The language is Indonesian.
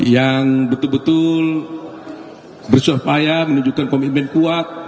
yang betul betul bersuahpaya menunjukkan komitmen kuat